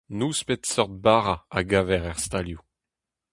Nouspet seurt bara a gaver er stalioù.